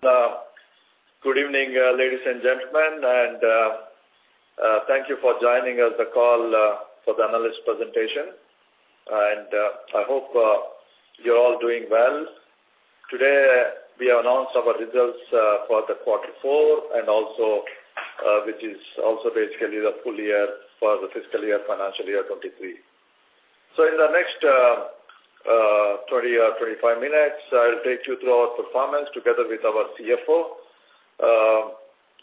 Good evening, ladies and gentlemen, and thank you for joining us the call for the analyst presentation. I hope you're all doing well. Today, we announced our results for the quarter four and also, which is also basically the full year for the fiscal year, financial year 2023. In the next 20 or 25 minutes, I'll take you through our performance together with our CFO,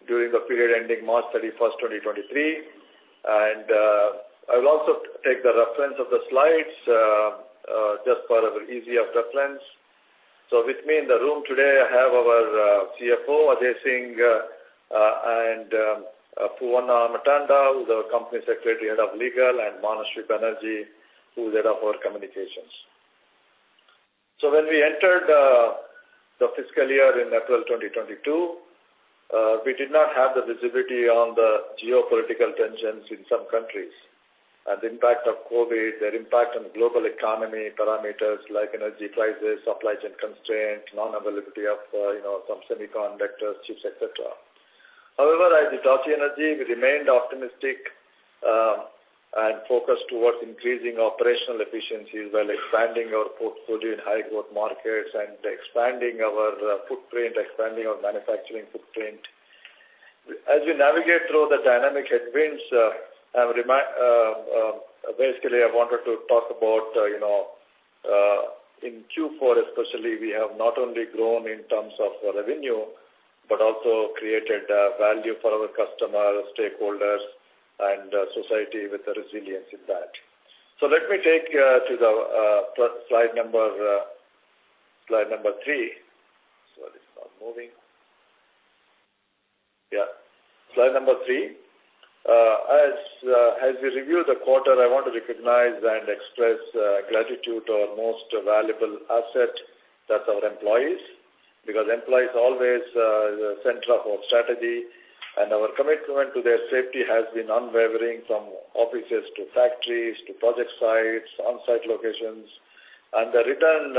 during the period ending March 31, 2023. I will also take the reference of the slides just for our easy of reference. With me in the room today, I have our CFO, Ajay Singh, and Poovanna Ammatanda, who's our Company Secretary, Head of Legal, and Manashwi Banerjee, who's Head of our Communications. When we entered the fiscal year in April 2022, we did not have the visibility on the geopolitical tensions in some countries and the impact of COVID, their impact on global economy parameters like energy prices, supply chain constraints, non-availability of, you know, some semiconductor chips, et cetera. However, as Hitachi Energy India, we remained optimistic and focused towards increasing operational efficiencies while expanding our portfolio in high growth markets and expanding our manufacturing footprint. As we navigate through the dynamic headwinds, basically, I wanted to talk about, you know, in Q4 especially, we have not only grown in terms of revenue, but also created value for our customers, stakeholders, and society with the resilience in that. Let me take you to the slide number three. Sorry, it's not moving. Yeah. Slide number three. As we review the quarter, I want to recognize and express gratitude our most valuable asset, that's our employees. Because employees always the center of our strategy, and our commitment to their safety has been unwavering from offices to factories, to project sites, on-site locations. They return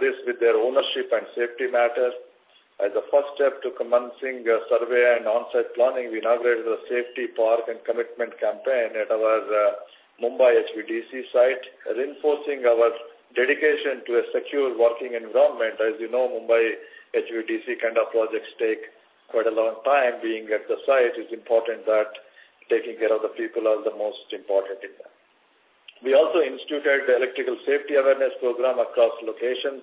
this with their ownership and safety matters. As a first step to commencing a survey and on-site planning, we inaugurated the safety, power, and commitment campaign at our Mumbai HVDC site, reinforcing our dedication to a secure working environment. As you know, Mumbai HVDC kind of projects take quite a long time. Being at the site, it's important that taking care of the people are the most important in that. We also instituted the electrical safety awareness program across locations.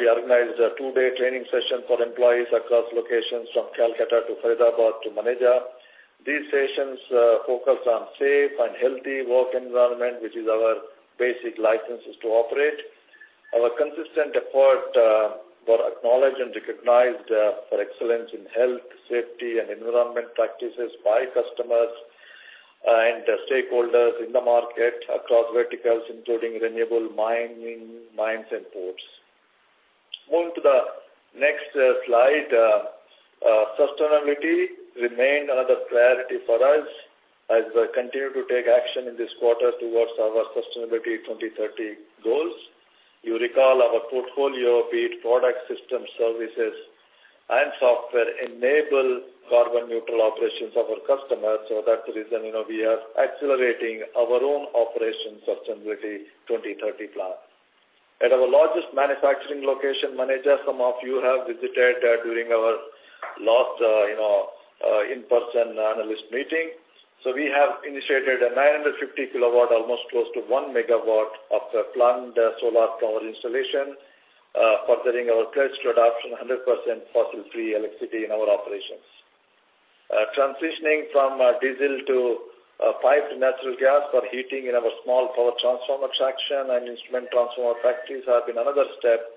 We organized a two-day training session for employees across locations from Kolkata to Faridabad to Manesar. These sessions focus on safe and healthy work environment, which is our basic licenses to operate. Our consistent effort were acknowledged and recognized for excellence in health, safety, and environment practices by customers and stakeholders in the market across verticals, including renewable mining, mines and ports. Moving to the next slide. Sustainability remained another priority for us as we continue to take action in this quarter towards our Sustainability 2030 goals. You recall our portfolio, be it product, system, services, and software enable carbon neutral operations of our customers, so that's the reason we are accelerating our own operations Sustainability 2030 plan. At our largest manufacturing location, Manesar, some of you have visited during our last in-person analyst meeting. We have initiated a 950 kW, almost close to 1 MW of planned solar power installation, furthering our pledge to adoption 100% fossil-free electricity in our operations. Transitioning from diesel to piped natural gas for heating in our small power transformer section and instrument transformer factories have been another step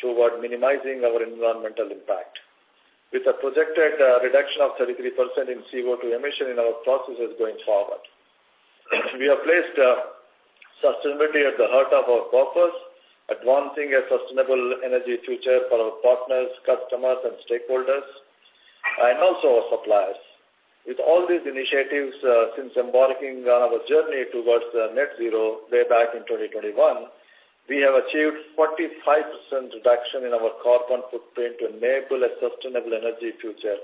toward minimizing our environmental impact, with a projected reduction of 33% in CO2 emission in our processes going forward. We have placed sustainability at the heart of our purpose, advancing a sustainable energy future for our partners, customers, and stakeholders, and also our suppliers. With all these initiatives, since embarking on our journey towards net zero way back in 2021, we have achieved 45% reduction in our carbon footprint to enable a sustainable energy future,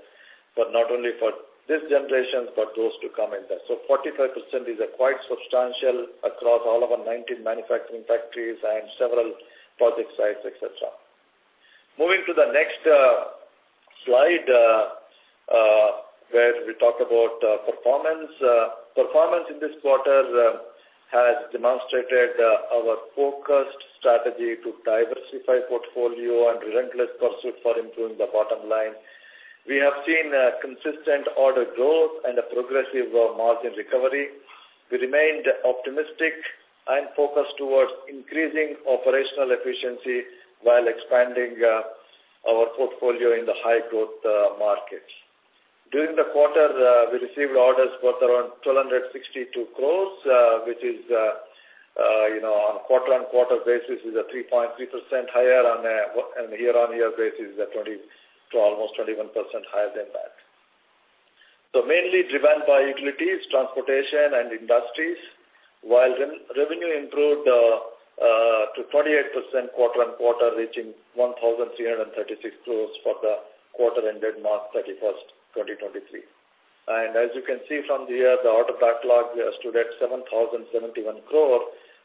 but not only for this generation, but those to come in there. 45% is quite substantial across all of our 19 manufacturing factories and several project sites, etc. Moving to the next slide, where we talk about performance. Performance in this quarter has demonstrated our focused strategy to diversify portfolio and relentless pursuit for improving the bottom line. We have seen a consistent order growth and a progressive margin recovery. We remained optimistic and focused towards increasing operational efficiency while expanding our portfolio in the high growth markets. During the quarter, we received orders worth around 1,262 crores, which is, you know, on quarter-on-quarter basis is 3.3% higher and year-on-year basis is 20% to almost 21% higher than that. Mainly driven by utilities, transportation and industries, while re-revenue improved to 28% quarter-on-quarter, reaching 1,336 crores for the quarter ended March 31, 2023. As you can see from here, the order backlog stood at 7,071 crore,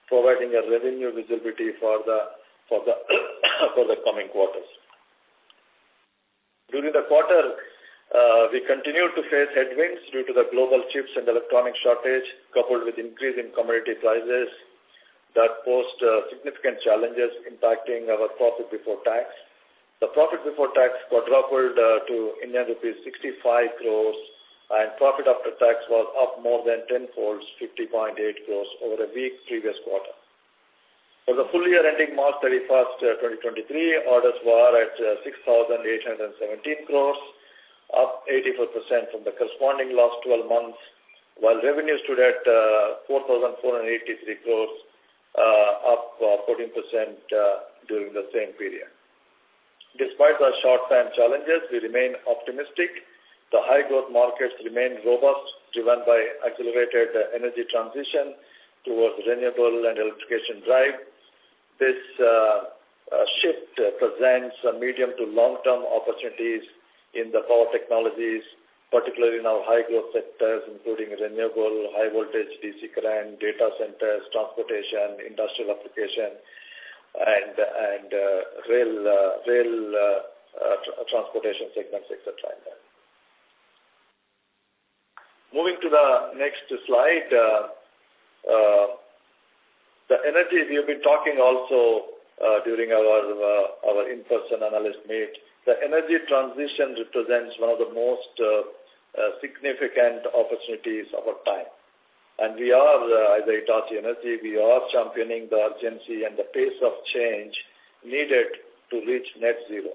providing a revenue visibility for the coming quarters. During the quarter, we continued to face headwinds due to the global chips and electronic shortage, coupled with increase in commodity prices that posed significant challenges impacting our profit before tax. The profit before tax quadrupled to Indian rupees 65 crores, and profit after tax was up more than ten folds, 50.8 crores over the weak previous quarter. For the full year ending March 31st, 2023, orders were at 6,817 crores, up 84% from the corresponding last twelve months, while revenue stood at 4,483 crores, up 14% during the same period. Despite the short-term challenges, we remain optimistic. The high growth markets remain robust, driven by accelerated energy transition towards renewable and electrification drive. This shift presents a medium to long-term opportunities in the power technologies, particularly in our high growth sectors, including renewable, high voltage DC current, data centers, transportation, industrial application and rail transportation segments, et cetera. Moving to the next slide. The energy we've been talking also during our in-person analyst meet. The energy transition represents one of the most significant opportunities of our time. We are as a Hitachi Energy, we are championing the urgency and the pace of change needed to reach net zero.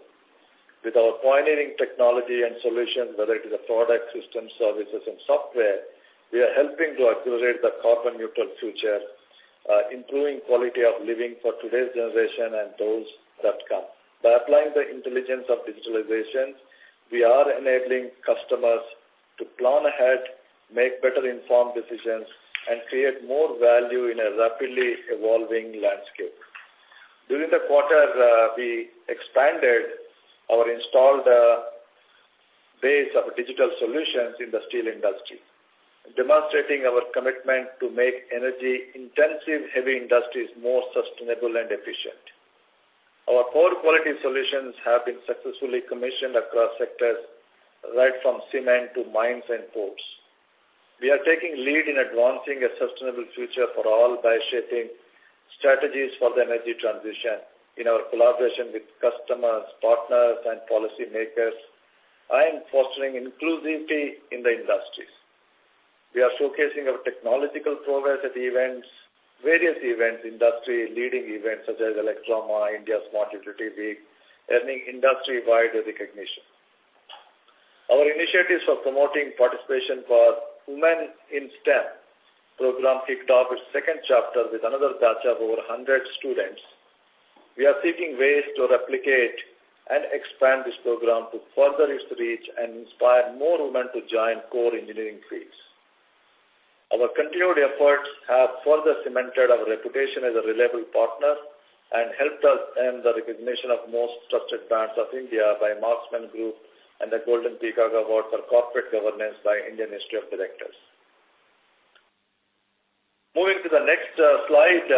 With our pioneering technology and solutions, whether it is a product, system, services and software, we are helping to accelerate the carbon neutral future, improving quality of living for today's generation and those that come. By applying the intelligence of digitalizations, we are enabling customers to plan ahead, make better informed decisions, and create more value in a rapidly evolving landscape. During the quarter, we expanded our installed base of digital solutions in the steel industry, demonstrating our commitment to make energy intensive heavy industries more sustainable and efficient. Our power quality solutions have been successfully commissioned across sectors, right from cement to mines and ports. We are taking lead in advancing a sustainable future for all by shaping strategies for the energy transition in our collaboration with customers, partners and policymakers, and fostering inclusivity in the industries. We are showcasing our technological progress at events, various events, industry leading events such as Elecrama, India Smart Utility Week, earning industry-wide recognition. Our initiatives for promoting participation for women in STEM program kicked off its second chapter with another batch of over 100 students. We are seeking ways to replicate and expand this program to further its reach and inspire more women to join core engineering fields. Our continued efforts have further cemented our reputation as a reliable partner and helped us earn the recognition of Most Trusted Brands of India by Marksmen group and the Golden Peacock Award for Corporate Governance by Indian Institute of Directors. Moving to the next slide.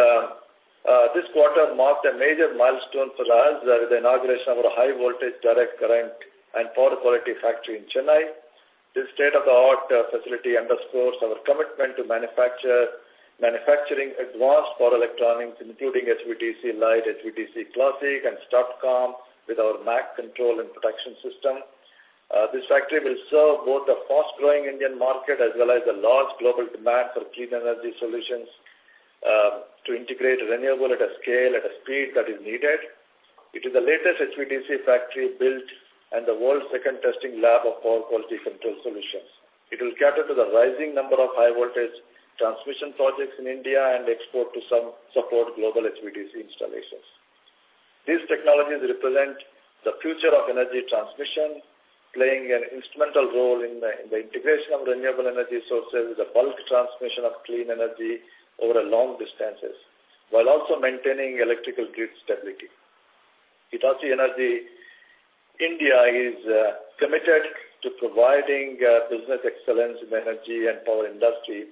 This quarter marked a major milestone for us with the inauguration of our high voltage direct current and power quality factory in Chennai. This state-of-the-art facility underscores our commitment to manufacturing advanced power electronics, including HVDC Light, HVDC Classic, and STATCOM with our MACH control and protection system. This factory will serve both the fast growing Indian market as well as the large global demand for clean energy solutions, to integrate renewable at a scale, at a speed that is needed. It is the latest HVDC factory built and the world's second testing lab of power quality control solutions. It will cater to the rising number of high voltage transmission projects in India and export to some support global HVDC installations. These technologies represent the future of energy transmission, playing an instrumental role in the integration of renewable energy sources, the bulk transmission of clean energy over long distances, while also maintaining electrical grid stability. Hitachi Energy India is committed to providing business excellence in the energy and power industry.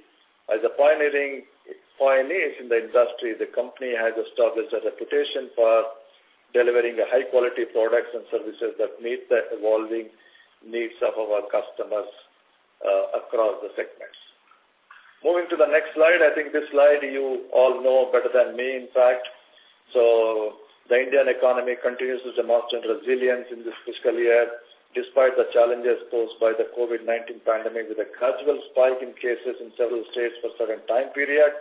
As pioneers in the industry, the company has established a reputation for delivering high quality products and services that meet the evolving needs of our customers across the segments. Moving to the next slide. I think this slide you all know better than me, in fact. The Indian economy continues to demonstrate resilience in this fiscal year, despite the challenges posed by the COVID-19 pandemic, with a casual spike in cases in several states for a certain time period.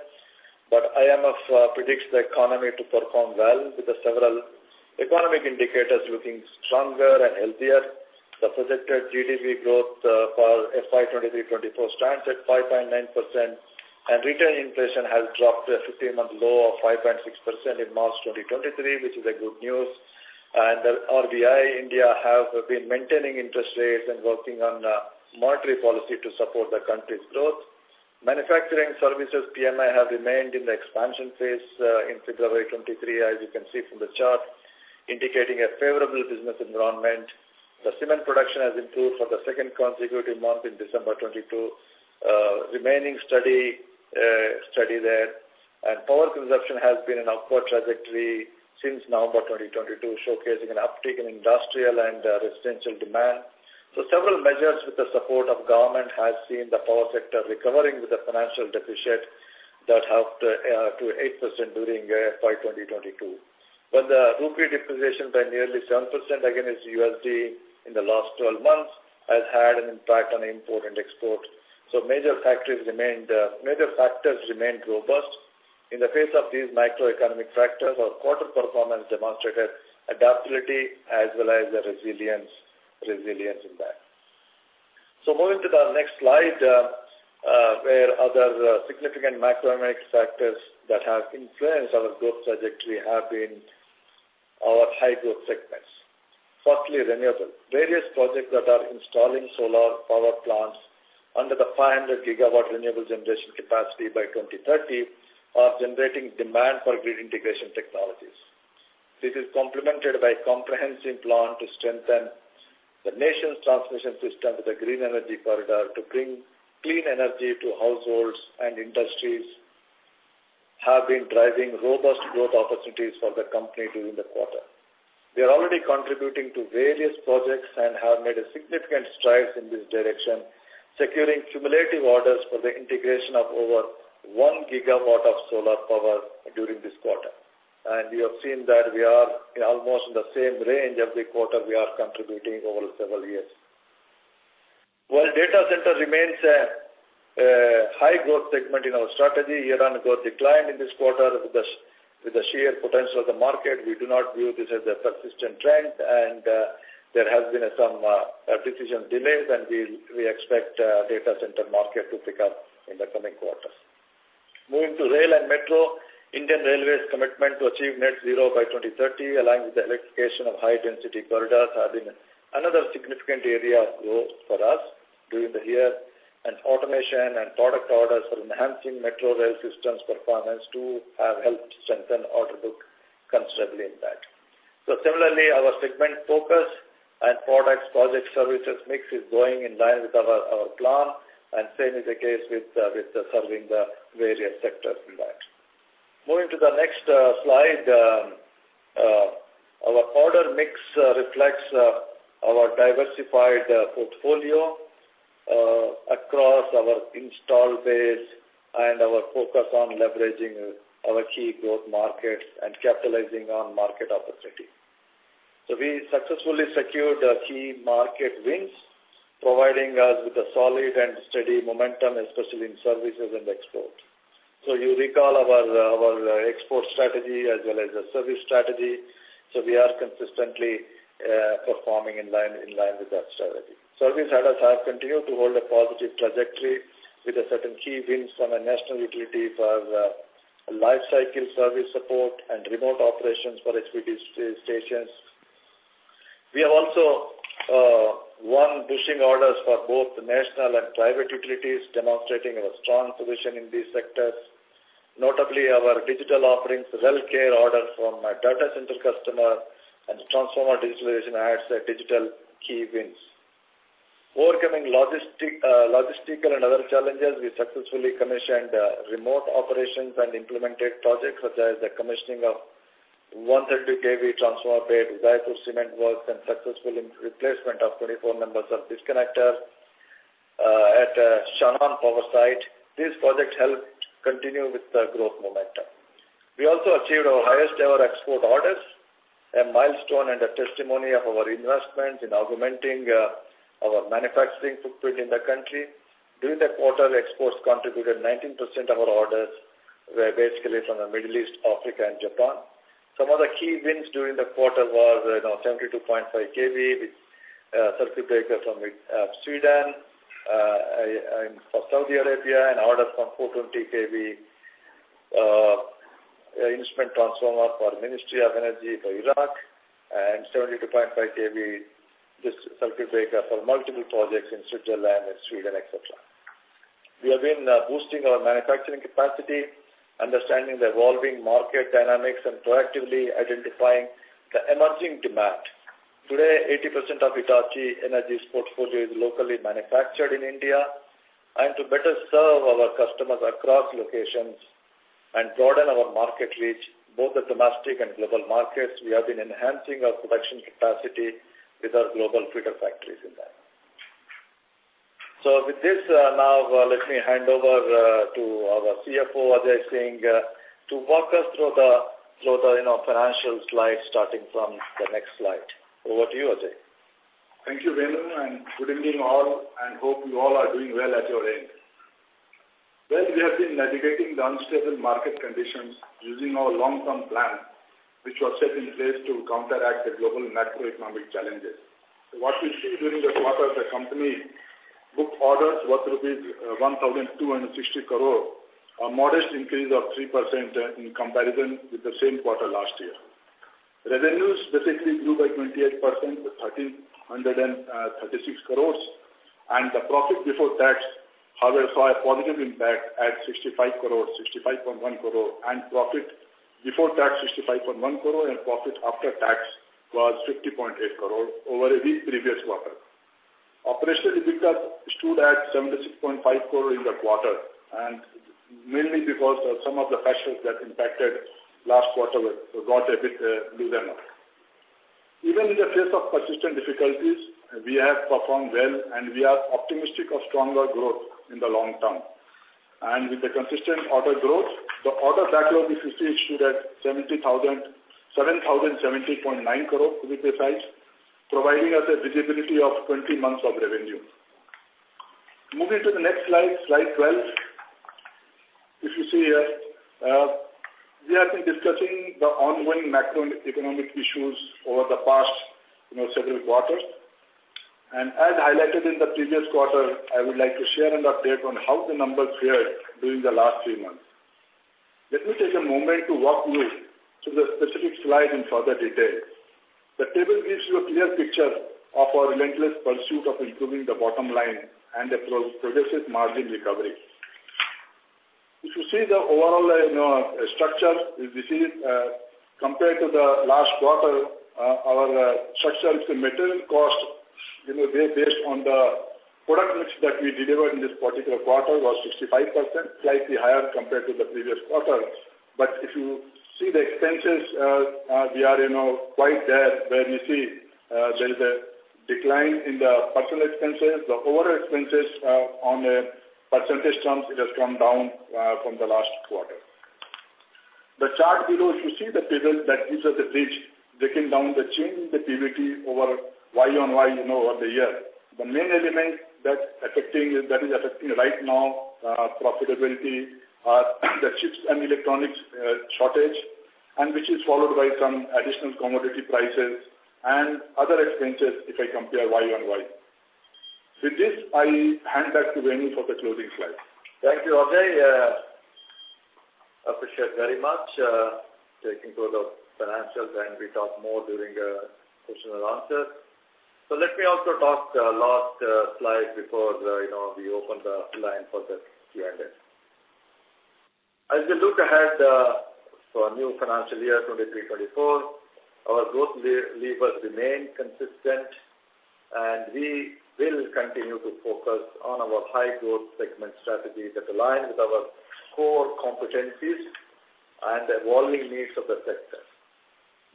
IMF predicts the economy to perform well, with the several economic indicators looking stronger and healthier. The projected GDP growth for FY 2023, 2024 stands at 5.9%, and retail inflation has dropped to a 15-month low of 5.6% in March 2023, which is a good news. RBI India have been maintaining interest rates and working on monetary policy to support the country's growth. Manufacturing services PMI have remained in the expansion phase in February 2023, as you can see from the chart, indicating a favorable business environment. The cement production has improved for the second consecutive month in December 2022. Remaining study there. Power consumption has been an upward trajectory since November 2022, showcasing an uptick in industrial and residential demand. Several measures with the support of government has seen the power sector recovering with a financial deficit that helped to 8% during FY 2022. The rupee depreciation by nearly 7% against USD in the last twelve months has had an impact on import and export. Major factors remained robust. In the face of these macroeconomic factors, our quarter performance demonstrated adaptability as well as the resilience in that. Moving to the next slide, where other significant macroeconomic factors that have influenced our growth trajectory have been our high growth segments. Firstly, renewable. Various projects that are installing solar power plants under the 500 GW renewable generation capacity by 2030 are generating demand for grid integration technologies. This is complemented by a comprehensive plan to strengthen the nation's transmission system with a Green Energy Corridor to bring clean energy to households and industries, have been driving robust growth opportunities for the company during the quarter. We are already contributing to various projects and have made significant strides in this direction, securing cumulative orders for the integration of over 1 GW of solar power during this quarter. You have seen that we are almost in the same range every quarter we are contributing over several years. While data center remains a high growth segment in our strategy, year-on-year decline in this quarter with the sheer potential of the market, we do not view this as a persistent trend, and there has been some decision delays, and we expect data center market to pick up in the coming quarters. Moving to rail and metro, Indian Railways commitment to achieve net zero by 2030, along with the electrification of high density corridors, have been another significant area of growth for us during the year. Automation and product orders for enhancing metro rail systems performance too have helped strengthen order book considerably in that. Similarly, our segment focus and products, project services mix is going in line with our plan, and same is the case with serving the various sectors in that. Moving to the next slide. Our order mix reflects our diversified portfolio across our install base and our focus on leveraging our key growth markets and capitalizing on market opportunity. We successfully secured key market wins, providing us with a solid and steady momentum, especially in services and export. You recall our export strategy as well as the service strategy. We are consistently performing in line with that strategy. Service orders have continued to hold a positive trajectory with a certain key wins from a national utility for life cycle service support and remote operations for HVDC stations. We have also won bushing orders for both national and private utilities, demonstrating our strong position in these sectors. Notably, our digital offerings, Rail Care orders from a data center customer and transformer digitalization adds a digital key wins. Overcoming logistical and other challenges, we successfully commissioned remote operations and implemented projects, such as the commissioning of 130 kV transformer at Jaipur Cement Works and successful in replacement of 24 members of disconnector at Chanan Power Site. These projects helped continue with the growth momentum. We also achieved our highest ever export orders, a milestone and a testimony of our investments in augmenting our manufacturing footprint in the country. During the quarter, exports contributed 19% of our orders were basically from the Middle East, Africa and Japan. Some of the key wins during the quarter was, you know, 72.5 kV with circuit breaker from Sweden, and for Saudi Arabia, an order from 420 kV instrument transformer for Ministry of Energy for Iraq, and 72.5 kV, this circuit breaker for multiple projects in Switzerland and Sweden, et cetera. We have been boosting our manufacturing capacity, understanding the evolving market dynamics, and proactively identifying the emerging demand. Today, 80% of Hitachi Energy's portfolio is locally manufactured in India. To better serve our customers across locations and broaden our market reach, both the domestic and global markets, we have been enhancing our production capacity with our global feeder factories in that. With this, now, let me hand over to our CFO, Ajay Singh, to walk us through the, you know, financial slides starting from the next slide. Over to you, Ajay. Thank you, Venu. Good evening all, and hope you all are doing well at your end. Well, we have been navigating the unstable market conditions using our long-term plan, which was set in place to counteract the global macroeconomic challenges. What we see during the quarter, the company booked orders worth rupees 1,260 crore, a modest increase of 3% in comparison with the same quarter last year. Revenues specifically grew by 28% to 1,336 crores. The profit before tax, however, saw a positive impact at 65.1 crore. Profit before tax, 65.1 crore, and profit after tax was 50.8 crore over the previous quarter. Operational EBITDA stood at 76.5 crore in the quarter, mainly because of some of the pressures that impacted last quarter got a bit loosened up. Even in the face of persistent difficulties, we have performed well, and we are optimistic of stronger growth in the long term. With the consistent order growth, the order backlog of Hitachi Energy India stood at INR 7,070.9 crore to be precise, providing us a visibility of 20 months of revenue. Moving to the next slide 12. If you see here, we have been discussing the ongoing macroeconomic issues over the past, you know, several quarters. As highlighted in the previous quarter, I would like to share an update on how the numbers fared during the last three months. Let me take a moment to walk you through the specific slide in further detail. The table gives you a clear picture of our relentless pursuit of improving the bottom line and a pro-progressive margin recovery. If you see the overall, you know, structure, if you see it, compared to the last quarter, our structure is the material cost, you know, based on the product mix that we delivered in this particular quarter was 65%, slightly higher compared to the previous quarter. But if you see the expenses, we are, you know, quite there where you see, there is a decline in the personal expenses. The overall expenses, on a percentage terms, it has come down from the last quarter. The chart below, if you see the table that gives us a glitch, breaking down the change in the PBT over Y-on-Y, you know, over the year. The main element that is affecting right now profitability are the chips and electronics shortage, and which is followed by some additional commodity prices and other expenses, if I compare Y-on-Y. With this, I hand back to Venu for the closing slide. Thank you, Ajay. Appreciate very much, taking through the financials. We talk more during question and answers. Let me also talk the last slide before, you know, we open the line for the Q&A. As we look ahead, for new financial year 2023/2024, our growth levers remain consistent. We will continue to focus on our high-growth segment strategy that align with our core competencies and evolving needs of the sector.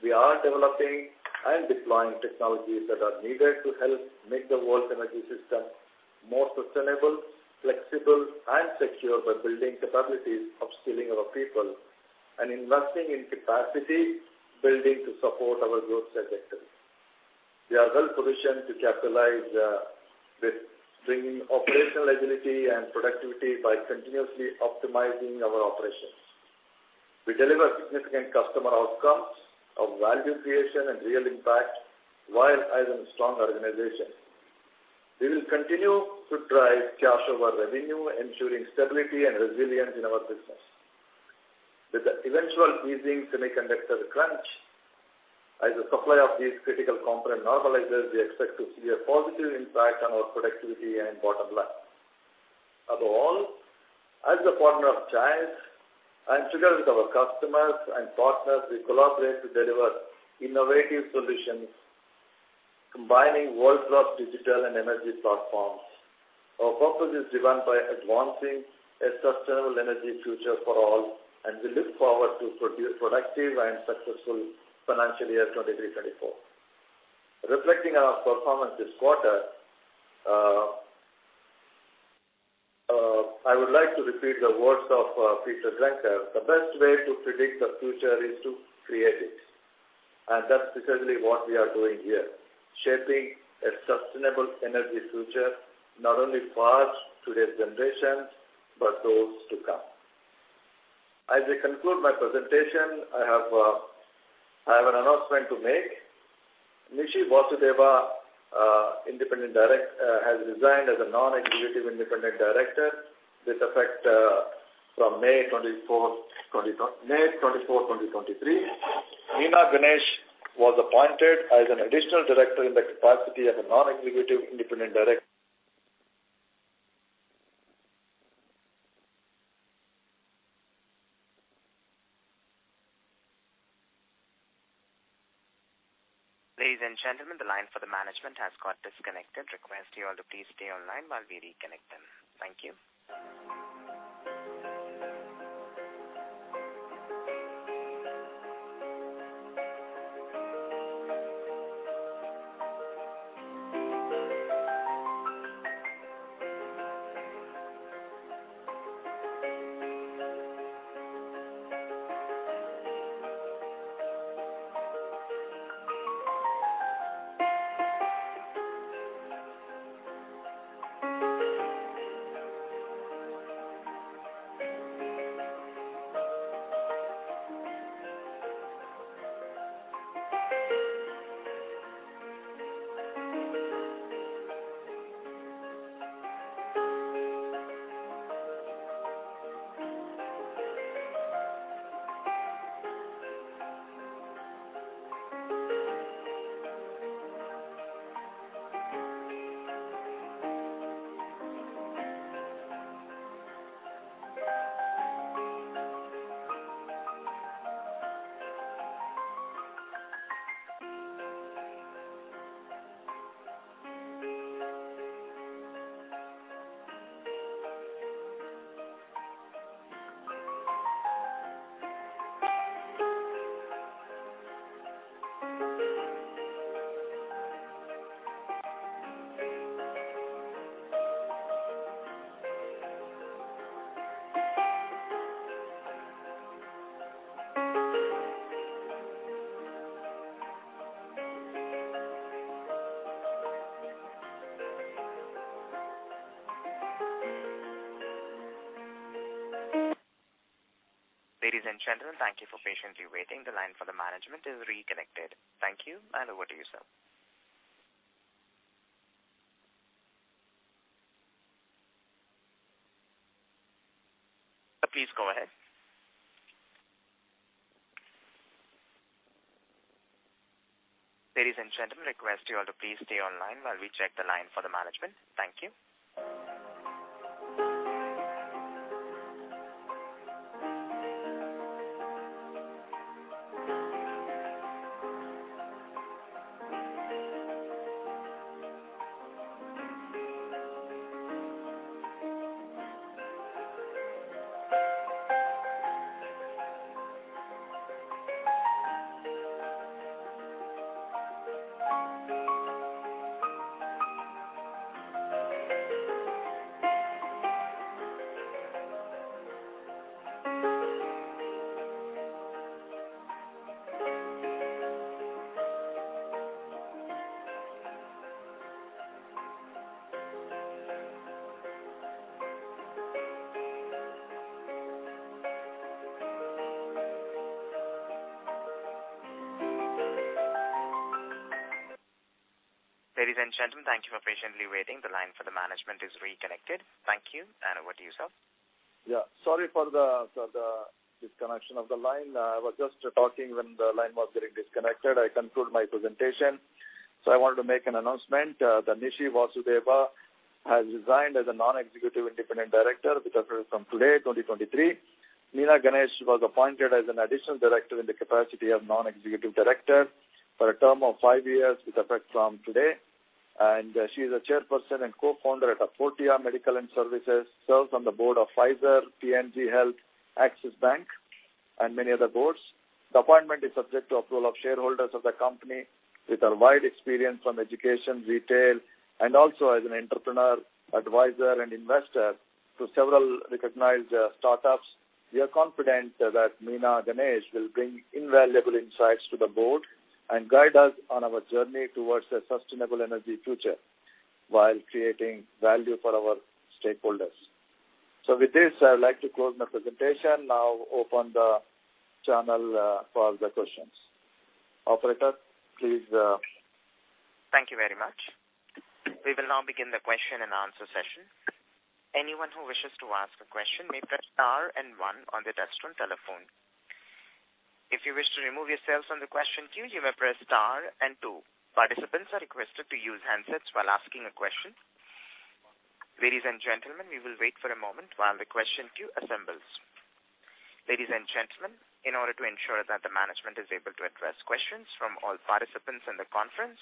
We are developing and deploying technologies that are needed to help make the world's energy system more sustainable, flexible, and secure by building capabilities upskilling our people and investing in capacity building to support our growth trajectory. We are well-positioned to capitalize with bringing operational agility and productivity by continuously optimizing our operations. We deliver significant customer outcomes of value creation and real impact while as a strong organization. We will continue to drive cash over revenue, ensuring stability and resilience in our business. With the eventual easing semiconductor crunch, as the supply of these critical component normalizes, we expect to see a positive impact on our productivity and bottom line. Above all, as a partner of choice and together with our customers and partners, we collaborate to deliver innovative solutions combining world-class digital and energy platforms. Our purpose is driven by advancing a sustainable energy future for all, and we look forward to productive and successful financial year 2023/2024. Reflecting on our performance this quarter, I would like to repeat the words of Peter Drucker, "The best way to predict the future is to create it." That's precisely what we are doing here, shaping a sustainable energy future, not only for today's generations, but those to come. As I conclude my presentation, I have an announcement to make. Nishi Vasudeva has resigned as a non-executive independent director with effect from May 24, 2023. Meena Ganesh was appointed as an additional director in the capacity as a non-executive independent direct. Ladies and gentlemen, the line for the management has got disconnected. Request you all to please stay online while we reconnect them. Thank you. Ladies and gentlemen, thank you for patiently waiting. The line for the management is reconnected. Thank you, and over to you, sir. Please go ahead. Ladies and gentlemen, request you all to please stay online while we check the line for the management. Thank you. Ladies and gentlemen, thank you for patiently waiting. The line for the management is reconnected. Thank you, and over to you, sir. Yeah. Sorry for the disconnection of the line. I was just talking when the line was getting disconnected. I conclude my presentation. I wanted to make an announcement that Nishi Vasudeva has resigned as a non-executive independent director with effect from today, 2023. Meena Ganesh was appointed as an additional director in the capacity of non-executive director for a term of five years with effect from today. She is a chairperson and co-founder at Portea Medical and Services, serves on the board of Pfizer, P&G Health, Axis Bank, and many other boards. The appointment is subject to approval of shareholders of the company. With her wide experience from education, retail, and also as an entrepreneur, advisor and investor to several recognized startups, we are confident that Meena Ganesh will bring invaluable insights to the board and guide us on our journey towards a sustainable energy future while creating value for our stakeholders. With this, I would like to close my presentation. Now open the channel for the questions. Operator, please. Thank you very much. We will now begin the question and answer session. Anyone who wishes to ask a question may press star and one on the touchtone telephone. If you wish to remove yourselves from the question queue, you may press star and two. Participants are requested to use handsets while asking a question. Ladies and gentlemen, we will wait for a moment while the question queue assembles. Ladies and gentlemen, in order to ensure that the management is able to address questions from all participants in the conference,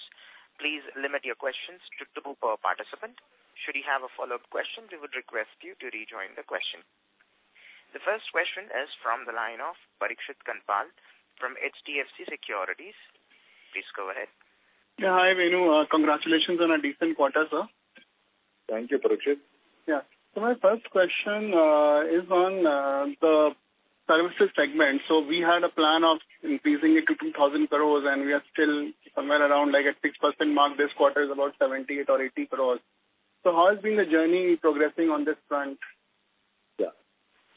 please limit your questions to two per participant. Should you have a follow-up question, we would request you to rejoin the question. The first question is from the line of Parikshit Kandpal from HDFC Securities. Please go ahead. Yeah. Hi, Venu. Congratulations on a decent quarter, sir. Thank you, Parikshit. My first question is on the services segment. We had a plan of increasing it to 2,000 crore, and we are still somewhere around like at 6% mark. This quarter is about 78 crore or 80 crore. How has been the journey progressing on this front?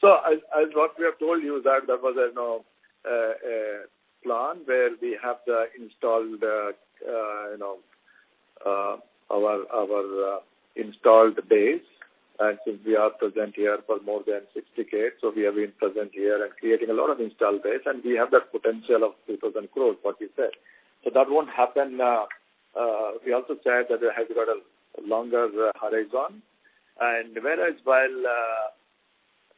Yeah. As what we have told you that there was, you know, a plan where we have the installed, you know, our installed base. Since we are present here for more than six decades, we have been present here and creating a lot of install base, and we have that potential of 2,000 crores, what we said. That won't happen. We also said that it has got a longer horizon. Whereas while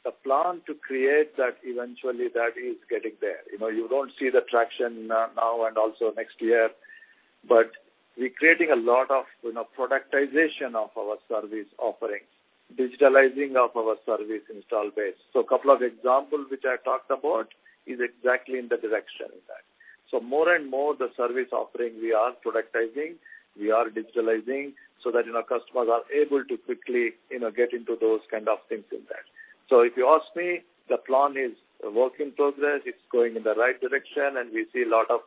the plan to create that, eventually that is getting there. You know, you don't see the traction now and also next year, but we're creating a lot of, you know, productization of our service offerings, digitalizing of our service install base. A couple of examples which I talked about is exactly in the direction in that. More and more the service offering we are productizing, we are digitalizing so that, you know, customers are able to quickly, you know, get into those kind of things in that. If you ask me, the plan is a work in progress. It's going in the right direction and we see a lot of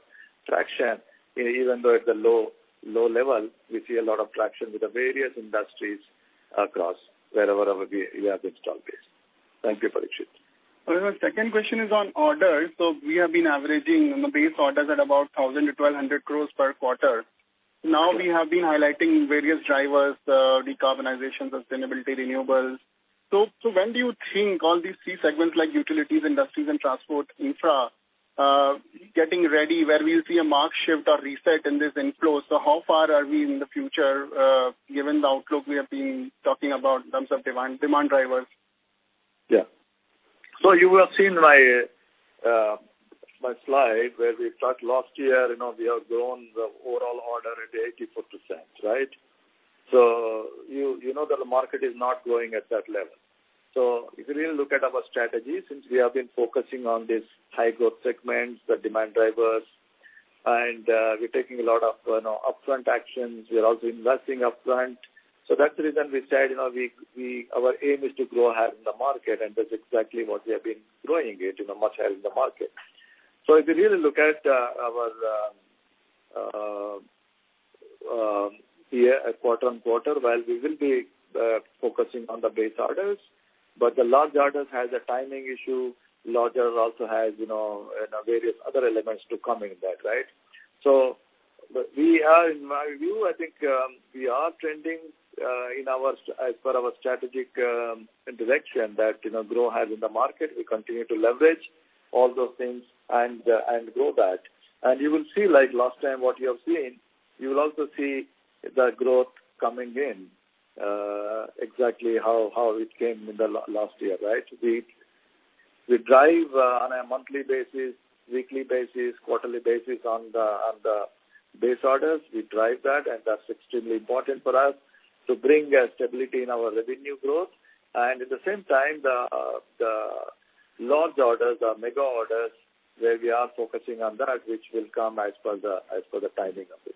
traction. Even though at the low level, we see a lot of traction with the various industries across wherever we have install base. Thank you, Parikshit. Then my second question is on orders. We have been averaging, you know, base orders at about 1,000-1,200 crore per quarter. We have been highlighting various drivers, decarbonization, sustainability, renewables. When do you think all these three segments, like utilities, industries and transport, infra, getting ready where we'll see a mark shift or reset in this inflows? How far are we in the future, given the outlook we have been talking about in terms of demand drivers? Yeah. You will have seen my slid e where we start last year, you know, we have grown the overall order at 84%, right? You know that the market is not growing at that level. If you really look at our strategy, since we have been focusing on these high growth segments, the demand drivers, and we're taking a lot of, you know, upfront actions. We are also investing upfront. That's the reason we said, you know, our aim is to grow ahead in the market, and that's exactly what we have been growing it, you know, much ahead in the market. If you really look at our quarter-on-quarter, while we will be focusing on the base orders, the large orders has a timing issue. Large orders also has, you know, various other elements to come in that, right. We are, in my view, I think, we are trending as per our strategic direction that, you know, grow ahead in the market. We continue to leverage all those things and grow that. You will see, like last time what you have seen, you will also see the growth coming in exactly how it came in the last year, right. We drive on a monthly basis, weekly basis, quarterly basis on the, on the base orders. We drive that, and that's extremely important for us to bring a stability in our revenue growth. At the same time, the large orders or mega orders, where we are focusing on that, which will come as per the timing of it.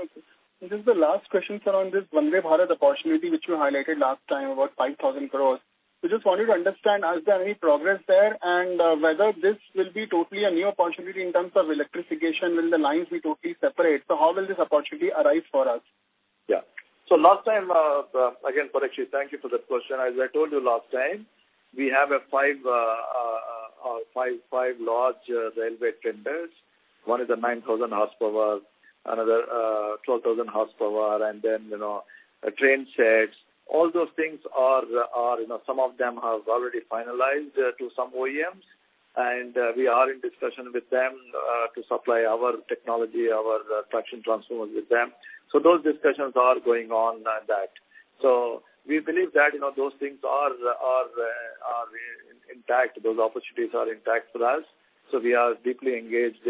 Okay. This is the last question, sir, on this Vande Bharat opportunity, which you highlighted last time, about 5,000 crore. We just wanted to understand, has there any progress there, and whether this will be totally a new opportunity in terms of electrification? Will the lines be totally separate? How will this opportunity arise for us? Yeah. Last time, again, Parikshit, thank you for that question. As I told you last time, we have a five large railway tenders. One is a 9,000 horsepower, another, 12,000 horsepower, and then, you know, train sets. All those things are, you know, some of them have already finalized to some OEMs. We are in discussion with them, to supply our technology, our traction transformers with them. Those discussions are going on at that. We believe that, you know, those things are intact. Those opportunities are intact for us, so we are deeply engaged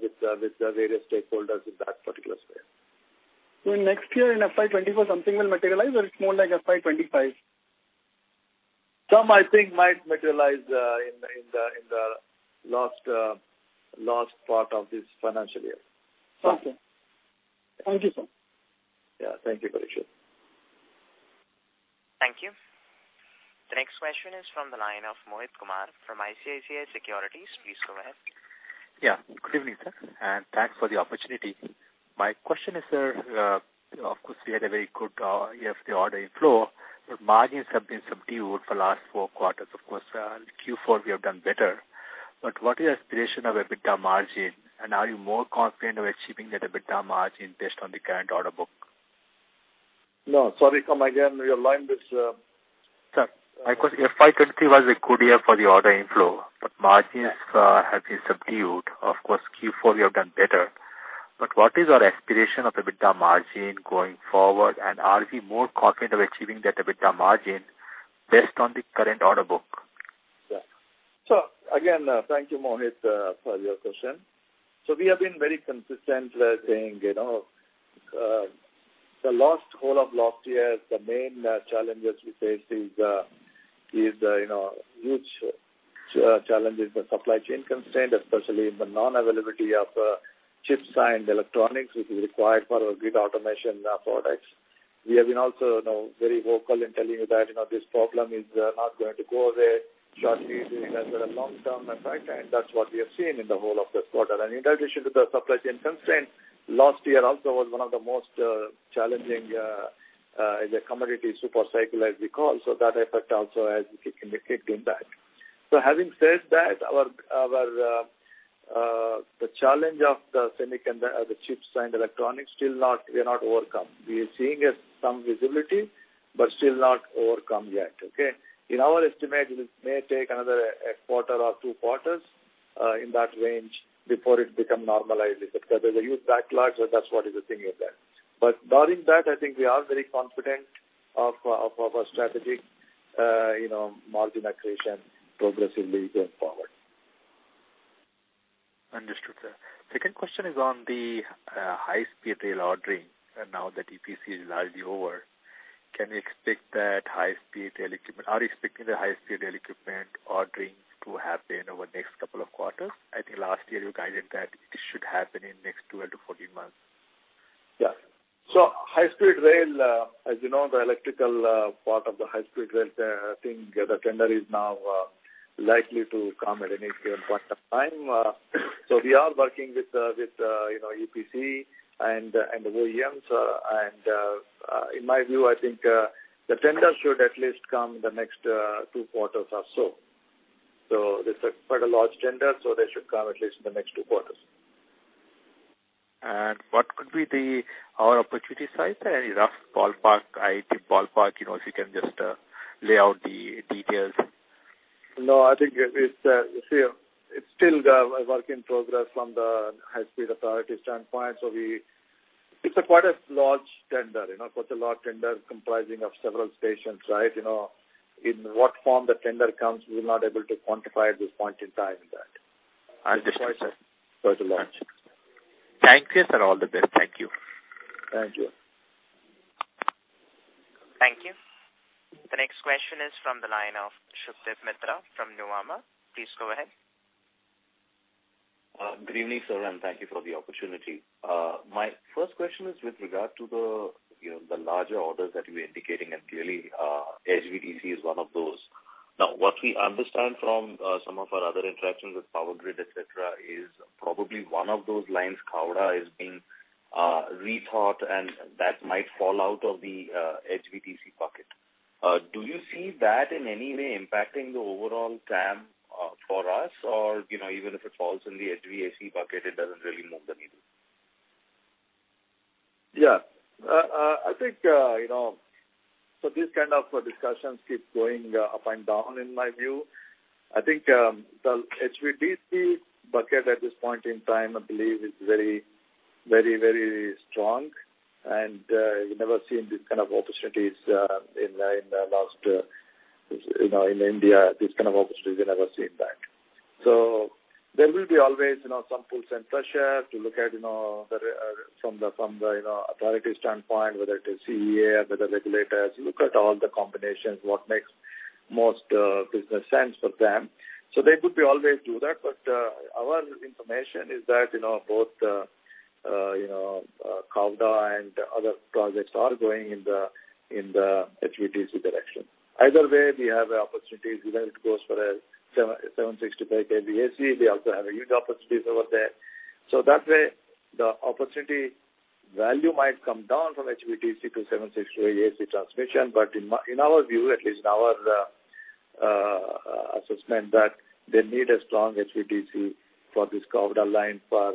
with the various stakeholders in that particular space. In next year in FY 2024, something will materialize, or it's more like FY 2025? Some I think might materialize, in the last part of this financial year. Okay. Thank you, sir. Yeah. Thank you, Parikshit. Thank you. The next question is from the line of Mohit Kumar from ICICI Securities. Please go ahead. Good evening, sir, and thanks for the opportunity. My question is, sir, of course, we had a very good year of the order inflow, but margins have been subdued for last four quarters. Of course, in Q4 we have done better. What is your aspiration of EBITDA margin, and are you more confident of achieving that EBITDA margin based on the current order book? No, sorry, Mohit, again, your line is. Sir, my question, FY 2023 was a good year for the order inflow, but margins have been subdued. Of course, Q4 we have done better. What is our aspiration of EBITDA margin going forward, and are we more confident of achieving that EBITDA margin based on the current order book? Again, thank you, Mohit, for your question. We have been very consistent, saying, you know, the last whole of last year, the main challenges we faced is, you know, huge challenge in the supply chain constraint, especially in the non-availability of chips and electronics, which is required for our grid automation products. We have been also, you know, very vocal in telling you that, you know, this problem is not going to go away shortly. It has a long-term effect, and that's what we have seen in the whole of this quarter. In addition to the supply chain constraint, last year also was one of the most challenging in the commodity super cycle as we call. That effect also has kicked in back. Having said that, our the challenge of the semi and the chips and electronics we are not overcome. We are seeing some visibility, but still not overcome yet, okay? In our estimate, it may take another quarter or two quarters in that range before it become normalized. There's a huge backlog, that's what is the thing in there. Barring that, I think we are very confident of our strategy, you know, margin accretion progressively going forward. Understood, sir. Second question is on the high-speed rail ordering. Now that EPC is largely over, are you expecting the high-speed rail equipment ordering to happen over next couple of quarters? I think last year you guided that it should happen in next 12 to 14 months. Yeah. High-speed rail, as you know, the electrical part of the high-speed rail, I think the tender is now likely to come at any given point of time. We are working with the, you know, UPC and OEMs. In my view, I think the tender should at least come in the next two quarters or so. It's a quite a large tender, so they should come at least in the next two quarters. What could be our opportunity size? Any rough ballpark, IT ballpark, you know, if you can just lay out the details. No, I think it's, you see, it's still a work in progress from the high speed authority standpoint. It's a quite a large tender, you know, quite a large tender comprising of several stations, right? You know, in what form the tender comes, we're not able to quantify at this point in time that. Understood. Quite a large. Thanks, sir. All the best. Thank you. Thank you. Thank you. The next question is from the line of Sudeep Mitra from Nuvama. Please go ahead. Good evening, sir, and thank you for the opportunity. My first question is with regard to the, you know, the larger orders that you were indicating, and clearly, HVDC is one of those. Now, what we understand from, some of our other interactions with Power Grid, et cetera, is probably one of those lines, Khavda, is being rethought and that might fall out of the HVDC bucket. Do you see that in any way impacting the overall TAM for us? Or, you know, even if it falls in the HVDC bucket, it doesn't really move the needle. Yeah. I think, you know, these kind of discussions keep going up and down in my view. I think, the HVDC bucket at this point in time, I believe, is very, very, very strong. You never seen these kind of opportunities in the last, you know, in India, these kind of opportunities, we never seen that. There will be always, you know, some pulls and pressures to look at, you know, the from the, you know, authority standpoint, whether it is CEA, whether regulators look at all the combinations, what makes most business sense for them. They could be always do that. Our information is that, you know, both, you know, Khavda and other projects are going in the HVDC direction. Either way, we have opportunities, even if it goes for a 765 kV AC, we also have a huge opportunities over there. That way the opportunity value might come down from HVDC to 760 kV AC transmission. In our view, at least in our assessment that they need a strong HVDC for this Khavda line for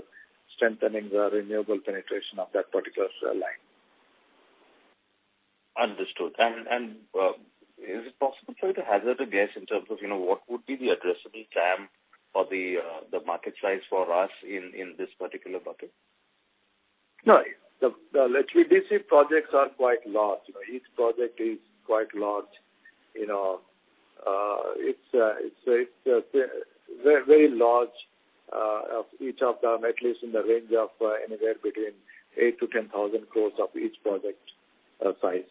strengthening the renewable penetration of that particular line. Understood. Is it possible for you to hazard a guess in terms of, you know, what would be the addressable TAM for the market size for us in this particular bucket? No. The HVDC projects are quite large. You know, each project is quite large. You know, it's very large of each of them, at least in the range of anywhere between 8,000 crores-10,000 crores of each project size.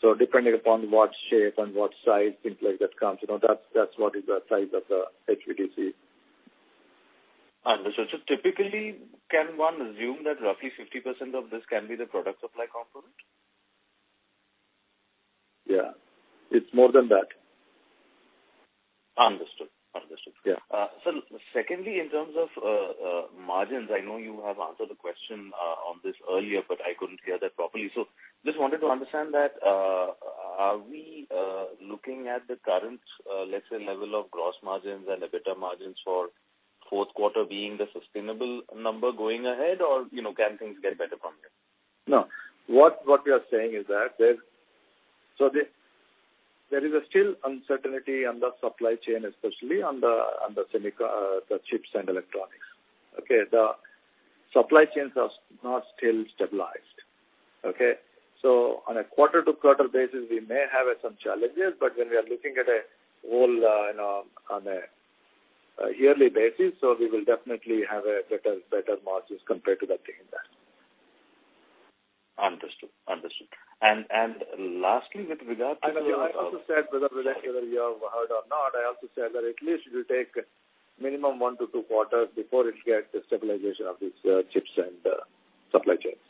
Depending upon what shape and what size, things like that comes, you know, that's what is the size of the HVDC. Understood. Typically, can one assume that roughly 50% of this can be the product supply component? Yeah. It's more than that. Understood. Understood. Yeah. Sir, secondly, in terms of margins, I know you have answered the question on this earlier, but I couldn't hear that properly. Just wanted to understand that, are we looking at the current, let's say, level of gross margins and EBITDA margins for fourth quarter being the sustainable number going ahead? You know, can things get better from here? No. What we are saying is there is a still uncertainty on the supply chain, especially on the chips and electronics. Okay? The supply chains are not still stabilized. Okay? On a quarter-to-quarter basis, we may have some challenges, but when we are looking at a whole, you know, on a yearly basis, we will definitely have better margins compared to that in the past. Understood. Understood. Lastly, with regard to. I also said, whether you have heard or not, I also said that at least it will take minimum one to two quarters before it gets stabilization of these chips and supply chains.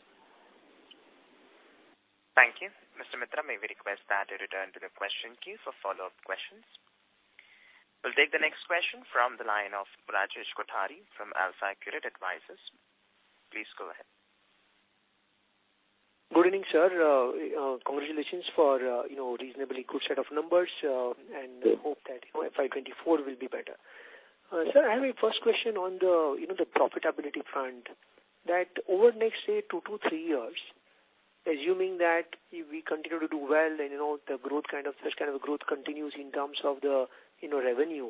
Thank you. Mr. Mitra, may we request that you return to the question queue for follow-up questions. We'll take the next question from the line of Rajesh Kothari from AlfAccurate Advisors. Please go ahead. Good evening, sir. Congratulations for, you know, reasonably good set of numbers, and hope that, you know, FY 2024 will be better. Sir, I have a first question on the, you know, the profitability front. That over next, say, two to three years, assuming that we continue to do well and, you know, the growth kind of, such kind of growth continues in terms of the, you know, revenue,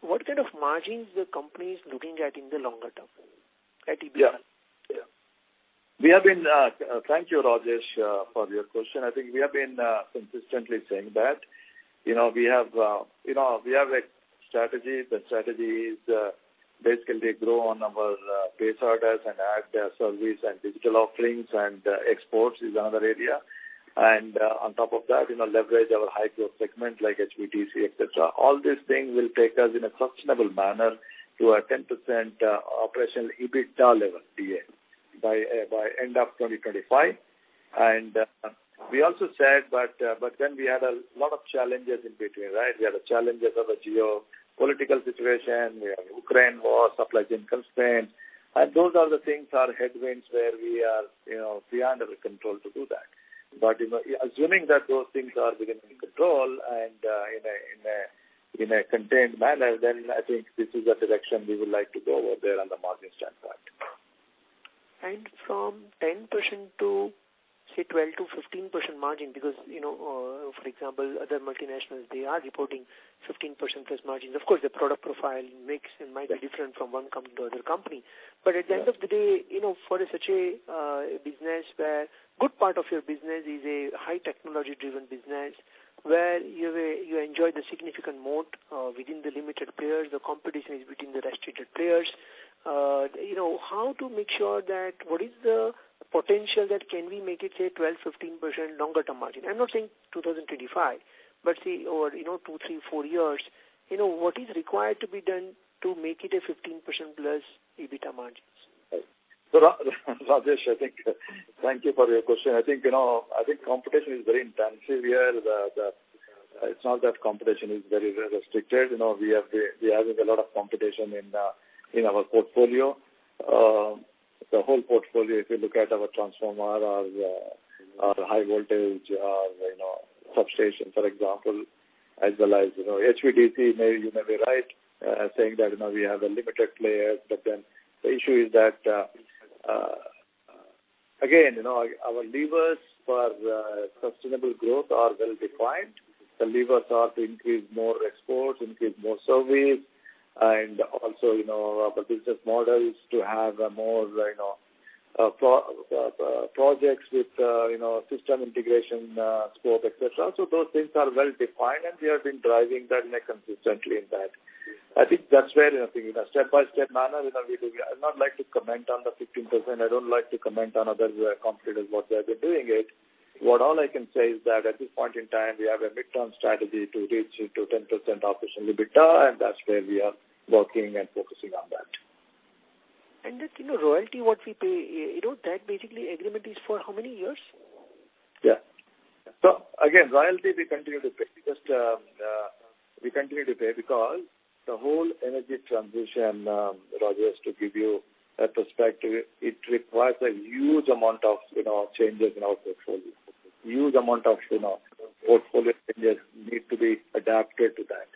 what kind of margins the company is looking at in the longer term at EBITDA? Yeah. Yeah. We have been. Thank you, Rajesh, for your question. I think we have been consistently saying that. You know, we have, you know, we have a strategies, and strategies basically grow on our base orders and add service and digital offerings, and exports is another area. On top of that, you know, leverage our high growth segment like HVDC, et cetera. All these things will take us in a sustainable manner to a 10% operational EBITDA level PA. By end of 2025. We also said that, but then we had a lot of challenges in between, right? We had the challenges of a geopolitical situation. We have Ukraine war, supply chain constraints. Those are the things are headwinds where we are, you know, beyond our control to do that. You know, assuming that those things are within control and in a contained manner, then I think this is the direction we would like to go over there on the margin standpoint. From 10% to, say, 12%-15% margin, because, you know, for example, other multinationals, they are reporting 15%+ margins. Of course, the product profile mix, it might be different from one company to other company. At the end of the day, you know, for such a business where good part of your business is a high technology driven business, where you enjoy the significant moat within the limited players, the competition is between the restricted players. You know, how to make sure that what is the potential that can we make it, say, 12%-15% longer term margin? I'm not saying 2025, but say over, you know, two, three, four years, you know, what is required to be done to make it a 15%+ EBITDA margins? Rajesh, I think thank you for your question. I think, you know, I think competition is very intensive here. It's not that competition is very, very restricted. You know, we're having a lot of competition in our portfolio. The whole portfolio, if you look at our transformer, our high voltage, our, you know, substation, for example, as well as, you know, HVDC, maybe you may be right saying that, you know, we have a limited players. The issue is that again, you know, our levers for sustainable growth are well-defined. The levers are to increase more exports, increase more service, and also, you know, our business model is to have a more, you know, projects with, you know, system integration, scope, et cetera. Those things are well defined, and we have been driving that in a consistently in that. I think that's where I think in a step-by-step manner, you know. I would not like to comment on the 15%. I don't like to comment on other competitors what they've been doing it. What all I can say is that at this point in time, we have a midterm strategy to reach to 10% operational EBITDA, and that's where we are working and focusing on that. That, you know, royalty what we pay, you know, that basically agreement is for how many years? Yeah. Again, royalty we continue to pay because we continue to pay because the whole energy transition, Rajesh, to give you a perspective, it requires a huge amount of, you know, changes in our portfolio. Huge amount of, you know, portfolio changes need to be adapted to that.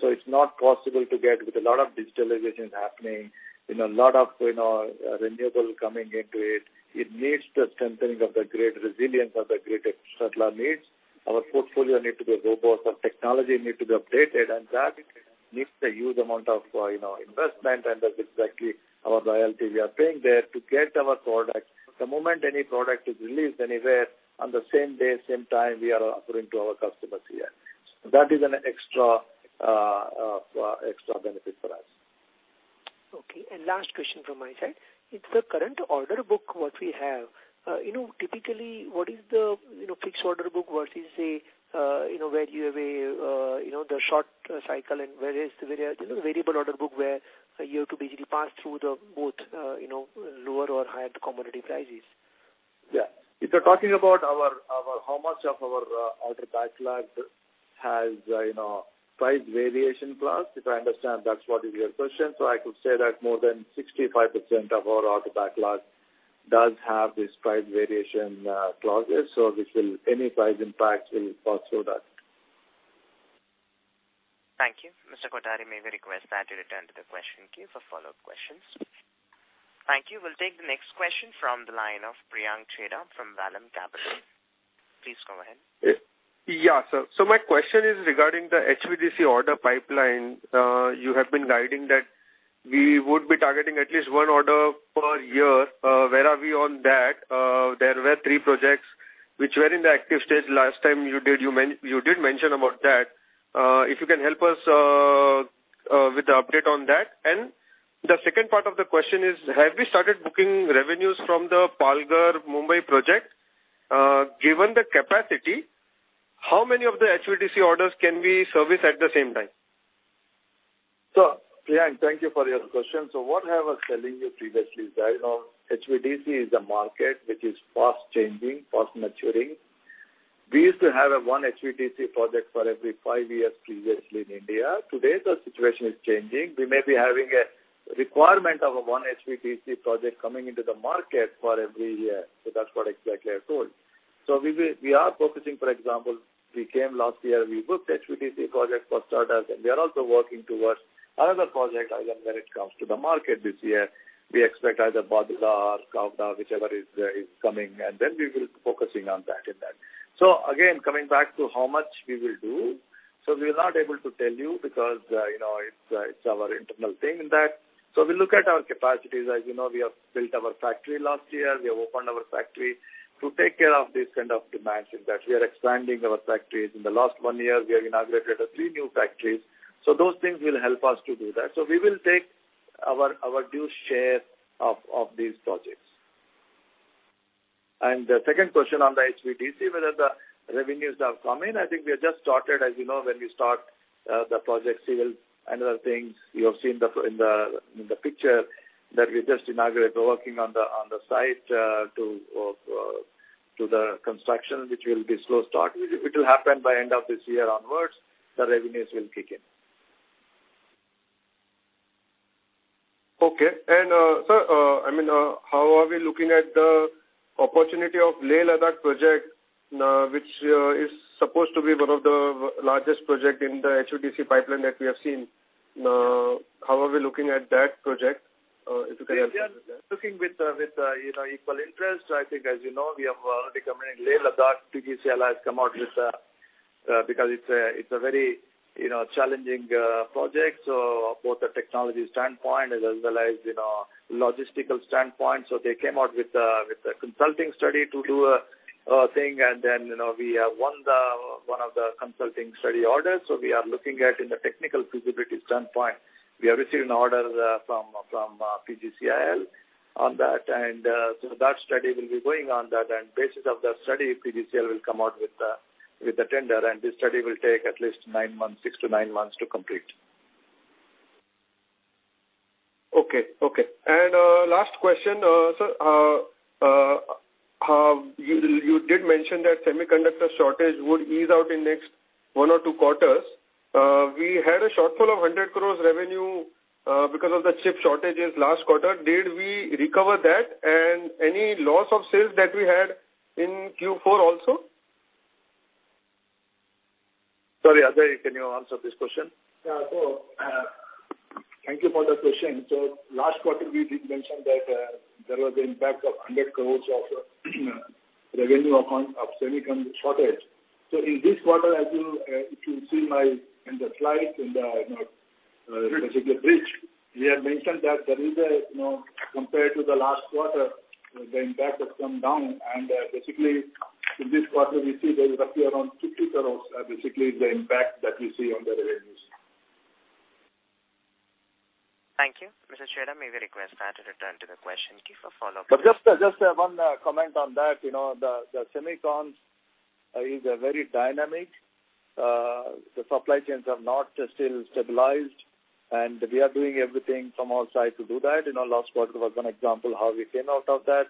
It's not possible to get with a lot of digitalization happening, you know, a lot of, you know, renewables coming into it. It needs the strengthening of the grid resilience of the grid, et cetera, needs. Our portfolio need to be robust. Our technology need to be updated, and that needs a huge amount of, you know, investment, and that's exactly our royalty we are paying there to get our products. The moment any product is released anywhere on the same day, same time we are offering to our customers here. That is an extra benefit for us. Last question from my side. It's the current order book what we have. you know, typically what is the, you know, fixed order book versus a, you know, where you have a, you know, the short cycle and various, you know, variable order book where you have to basically pass through the both, you know, lower or higher commodity prices? Yeah. If you're talking about our how much of our order backlog has, you know, price variation clause, if I understand that's what is your question? I could say that more than 65% of our order backlog does have this price variation clauses. Any price impacts will pass through that. Thank you. Mr. Kothari, may we request that you return to the question queue for follow-up questions. Thank you. We'll take the next question from the line of Priyank Chheda from Vallum Capital. Please go ahead. My question is regarding the HVDC order pipeline. You have been guiding that we would be targeting at least one order per year. Where are we on that? There were three projects which were in the active stage last time you did mention about that. If you can help us with the update on that. The second part of the question is, have we started booking revenues from the Palghar Mumbai project? Given the capacity, how many of the HVDC orders can we service at the same time? Priyank, thank you for your question. What I was telling you previously is that, you know, HVDC is a market which is fast changing, fast maturing. We used to have a one HVDC project for every five years previously in India. Today, the situation is changing. We may be having a requirement of a one HVDC project coming into the market for every year. That's what exactly I told. We are focusing, for example, we came last year, we booked HVDC project for starters, and we are also working towards another project as and when it comes to the market this year. We expect either Bhadla or Khavda, whichever is coming, and we will focusing on that in that. Again, coming back to how much we will do, so we're not able to tell you because, you know, it's our internal thing in that. We look at our capacities. As you know, we have built our factory last year. We have opened our factory to take care of this kind of demands in that. We are expanding our factories. In the last one year, we have inaugurated three new factories. Those things will help us to do that. We will take our due share of these projects. The second question on the HVDC, whether the revenues have come in. I think we have just started. As you know, when we start the project civil and other things, you have seen the, in the picture that we just inaugurated. We're working on the, on the site, to do the construction, which will be slow start. It will happen by end of this year onwards, the revenues will kick in. Okay. sir, I mean, how are we looking at the opportunity of Leh-Ladakh project, which is supposed to be one of the largest project in the HVDC pipeline that we have seen? How are we looking at that project? We are just looking with, you know, equal interest. I think, as you know, we have already committed Leh-Ladakh. PGCIL has come out with a, because it's a very, you know, challenging project, so both the technology standpoint as well as, you know, logistical standpoint. So they came out with a consulting study to do a thing. Then, you know, we have won one of the consulting study orders. So we are looking at in the technical feasibility standpoint. We have received an order from PGCIL on that. So that study will be going on that. Basis of that study, PGCIL will come out with the tender, and this study will take at least nine months, six to nine months to complete. Okay. Last question, sir. You did mention that semiconductor shortage would ease out in next one or two quarters. We had a shortfall of 100 crores revenue, because of the chip shortages last quarter. Did we recover that and any loss of sales that we had in Q4 also? Sorry, Ajay, can you answer this question? Yeah. Thank you for the question. Last quarter we did mention that there was an impact of 100 crore of revenue account of semiconductor shortage. In this quarter, as you if you see in the slides, in the, you know, particular bridge, we have mentioned that there is a, you know, compared to the last quarter, the impact has come down. Basically in this quarter we see there is roughly around 50 crore basically the impact that we see on the revenues. Thank you. Mr. Chheda, may we request that you return to the question queue for follow-up questions. Just one comment on that. You know, the semiconductor is very dynamic. The supply chains have not still stabilized, and we are doing everything from our side to do that. You know, last quarter was one example how we came out of that.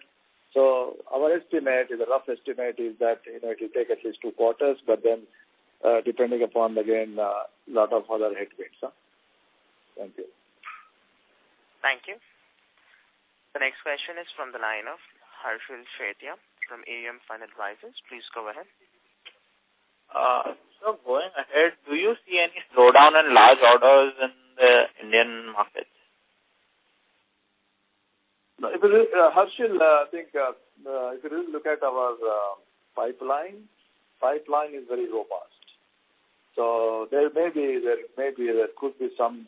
Our estimate is, a rough estimate is that, you know, it will take at least two quarters, but then, depending upon, again, lot of other headwinds, huh? Thank you. Thank you. The next question is from the line of [Harshal Sheth from Amfin Advisors]. Please go ahead. Going ahead, do you see any slowdown in large orders in the Indian markets? No. If it is, Harshal, I think, if you really look at our pipeline is very robust. There may be, there could be some,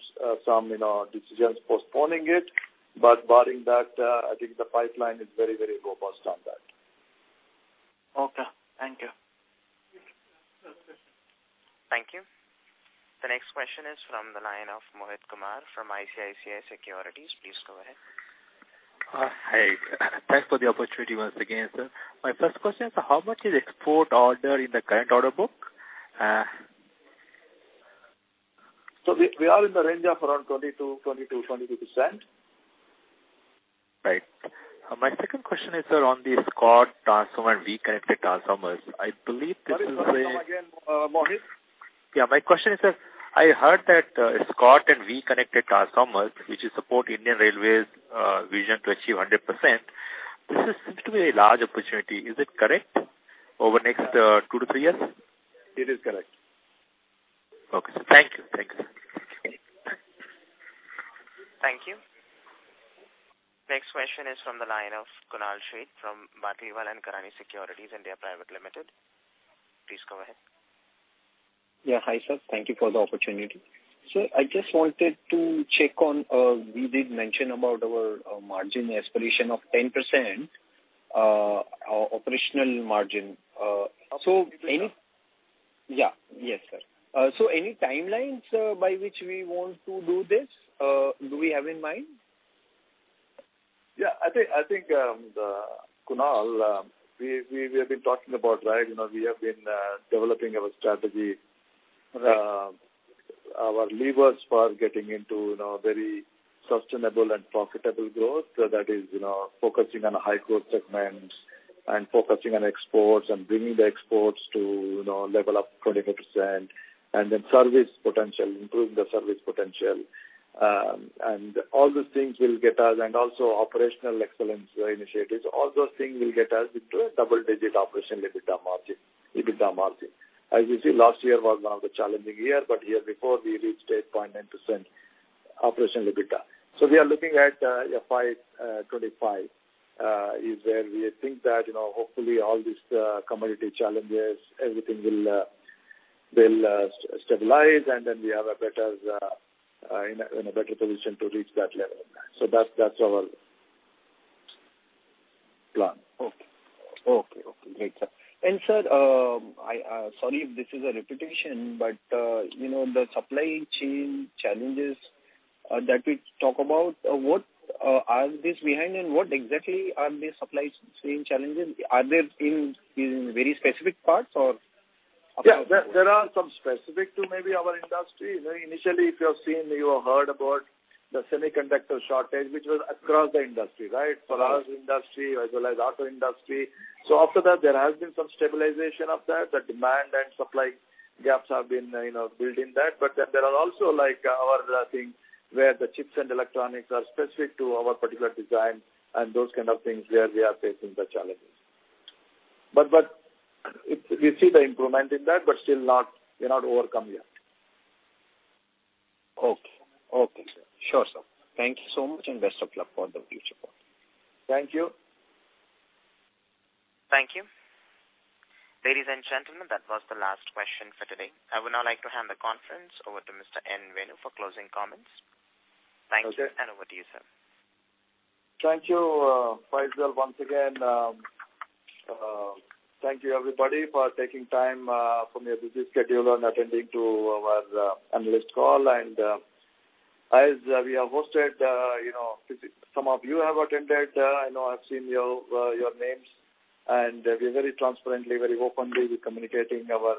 you know, decisions postponing it. Barring that, I think the pipeline is very robust on that. Okay. Thank you. Thank you. The next question is from the line of Mohit Kumar from ICICI Securities. Please go ahead. Hi. Thanks for the opportunity once again, sir. My first question, how much is export order in the current order book? We are in the range of around 20-22%. Right. My second question is, sir, on the Scott-T transformer and V-connected transformers. Sorry. Come again, Mohit. My question is, sir, I heard that Scott-T and V-connected transformers, which will support Indian Railways' vision to achieve 100%, this is seems to be a large opportunity. Is it correct over next 2-3 years? It is correct. Okay, sir. Thank you. Thanks. Thank you. Next question is from the line of Kunal Sheth from Batlivala & Karani Securities India Pvt. Ltd. Please go ahead. Yeah. Hi, sir. Thank you for the opportunity. Sir, I just wanted to check on, we did mention about our margin aspiration of 10%, our operational margin. Okay. Yes, sir. Any timelines by which we want to do this, do we have in mind? Yeah. I think, Kunal, we have been talking about, right, you know, we have been developing our strategy, our levers for getting into, you know, very sustainable and profitable growth. That is, you know, focusing on high growth segments and focusing on exports and bringing the exports to, you know, level of 24%. Service potential, improving the service potential. All those things will get us. Also operational excellence initiatives. All those things will get us into a double digit operational EBITDA margin. As you see, last year was one of the challenging year, but year before we reached 8.9% operational EBITDA. We are looking at FY 2025 is where we think that, you know, hopefully all these commodity challenges, everything will stabilize, and then we have a better position to reach that level. That's our plan. Okay. Great. Sir, I, sorry if this is a repetition, but, you know, the supply chain challenges that we talk about, what are these behind and what exactly are the supply chain challenges? Are they in very specific parts or across the board? Yeah. There are some specific to maybe our industry. You know, initially, if you have seen, you have heard about the semiconductor shortage, which was across the industry, right? For us industry as well as auto industry. After that there has been some stabilization of that. The demand and supply gaps have been, you know, building that. There are also like our thing where the chips and electronics are specific to our particular design and those kind of things where we are facing the challenges. But we see the improvement in that, but still not, we're not overcome yet. Okay, sir. Sure, sir. Thank you so much and best of luck for the future. Thank you. Thank you. Ladies and gentlemen, that was the last question for today. I would now like to hand the conference over to Mr. N Venu for closing comments. Okay. Thank you, and over to you, sir. Thank you, Faisal, once again. Thank you everybody for taking time from your busy schedule and attending to our analyst call. As we have hosted, you know, some of you have attended, I know I've seen your names, and we are very transparently, very openly we're communicating our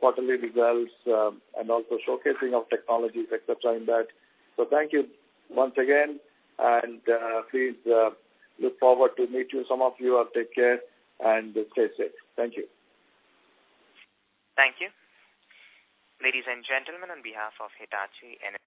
quarterly results and also showcasing of technologies et cetera in that. Thank you once again, please look forward to meet you some of you. Take care and stay safe. Thank you. Thank you. Ladies and gentlemen, on behalf of Hitachi Energy